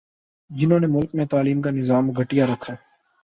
جہنوں نے ملک میں تعلیم کا نظام گٹھیا رکھا